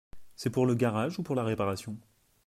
C’est pour le garage ou pour la réparation ?